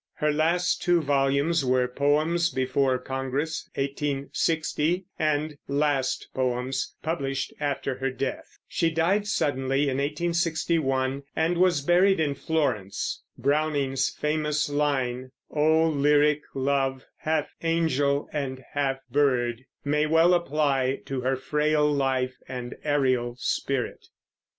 Her last two volumes were Poems before Congress (1860), and Last Poems, published after her death. She died suddenly in 1861 and was buried in Florence. Browning's famous line, "O lyric love, half angel and half bird," may well apply to her frail life and aerial spirit.